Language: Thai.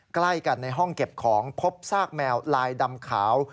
ใกล้กันในห้องเก็บของพบซากแมวลายดำขาว